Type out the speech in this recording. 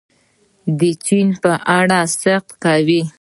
د چین په اړه صدق کوي.